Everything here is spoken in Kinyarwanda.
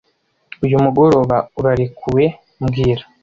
Uyu mugoroba urarekuwe mbwira